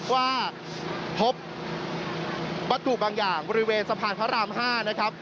ว่าพบวัตถุบางอย่างบริเวณสะพานพระราม๕นะครับ